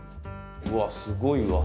うわっすごいわ。